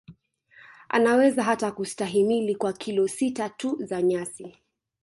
Anaweza hata kustahimili kwa kilo sita tu za nyasi